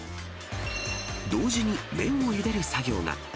同時に麺をゆでる作業が。